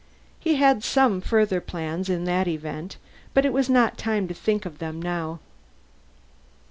He had some further plans, in that event, but it was not time to think of them now.